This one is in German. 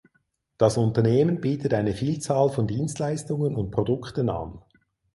Das Unternehmen bietet eine Vielzahl von Dienstleistungen und Produkten an.